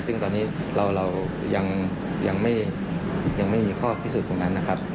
ซึ่งตอนนี้เรายังไม่มีข้อพิสูจน์ตรงนั้นนะครับ